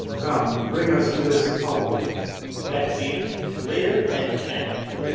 Come, bring us to this hovel. Exeunt [Lear and Kent].